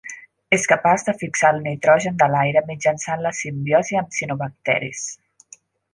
És capaç de fixar el nitrogen de l'aire mitjançant la simbiosi amb cianobacteris.